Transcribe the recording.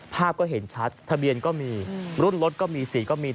ภาพก็เห็นชัดทะเบียนก็มีรุ่นรถก็มีสีก็มี